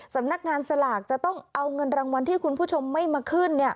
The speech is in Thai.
สำนักงานสลากจะต้องเอาเงินรางวัลที่คุณผู้ชมไม่มาขึ้น